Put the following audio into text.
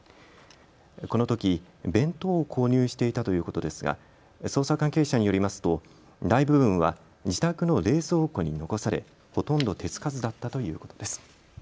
このとき弁当を購入していたということですが捜査関係者によりますと大部分は自宅の冷蔵庫に残されほとんど手付かずだったということです。